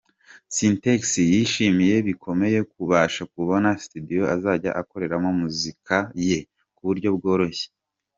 Sintex yishimiye bikomeye kubasha kubona Studio azajya akoreramo muzika ye kuburyo bworoshye.